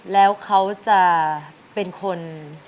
แล้วเขาจะเป็นคน